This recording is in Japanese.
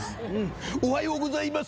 おはようございます。